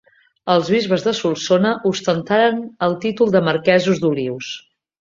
Els bisbes de Solsona ostentaren el títol de marquesos d'Olius.